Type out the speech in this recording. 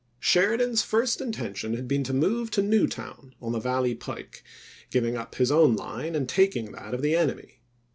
Sheridan's first intention had been to move to Newtown, on the valley pike, giving up his own line, and taking that of the enemy.